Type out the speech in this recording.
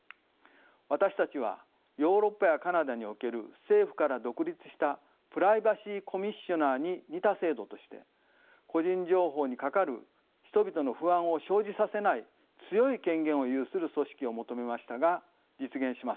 私たちはヨーロッパやカナダにおける政府から独立したプライバシー・コミッショナーに似た制度として個人情報にかかる人々の不安を生じさせない強い権限を有する組織を求めましたが実現しませんでした。